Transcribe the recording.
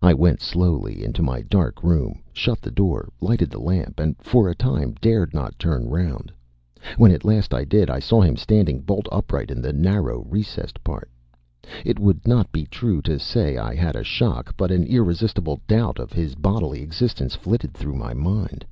I went slowly into my dark room, shut the door, lighted the lamp, and for a time dared not turn round. When at last I did I saw him standing bolt upright in the narrow recessed part. It would not be true to say I had a shock, but an irresistible doubt of his bodily existence flitted through my mind.